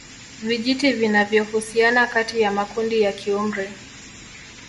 Vijiti vinavyohusiana kati ya makundi ya kiumri